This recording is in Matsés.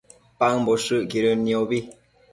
paëmboshëcquidën niobi